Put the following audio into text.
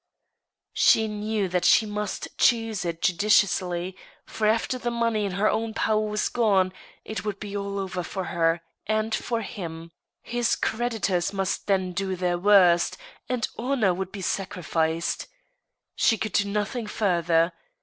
" She knew that she must choose it judiciously, for, after the money in her own power was gone, it would be all over for her, and for him ; his creditors must then do their worst, and honor would be sacrificed. She could do nothing further.